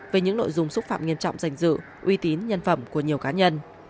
về những nội dung xúc phạm nghiêm trọng danh dự uy tín nhân phẩm của nhiều cá nhân